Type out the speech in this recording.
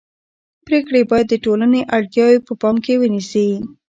پرېکړې باید د ټولنې اړتیاوې په پام کې ونیسي